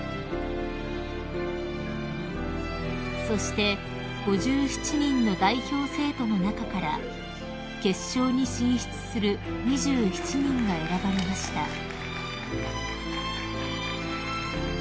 ［そして５７人の代表生徒の中から決勝に進出する２７人が選ばれました］